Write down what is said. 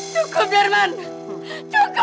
cukup darman cukup